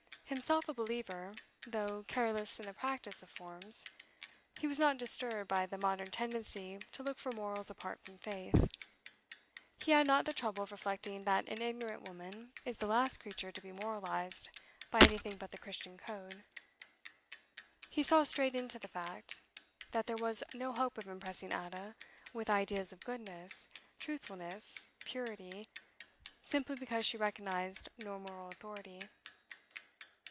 Himself a believer, though careless in the practice of forms, he was not disturbed by the modern tendency to look for morals apart from faith; he had not the trouble of reflecting that an ignorant woman is the last creature to be moralised by anything but the Christian code; he saw straight into the fact that there was no hope of impressing Ada with ideas of goodness, truthfulness, purity, simply because she recognised no moral authority.